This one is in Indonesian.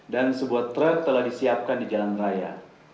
dan sebuah trek telah disiapkan di jalan raya